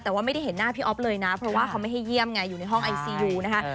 แต่ว่าไม่ได้เห็นหน้าพี่อ๊อฟเลยนะเพราะว่าเขาไม่ให้เยี่ยมไงอยู่ในห้องไอซียูนะคะ